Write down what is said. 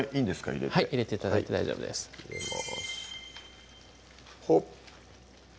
入れてはい入れて頂いて大丈夫です入れますほっ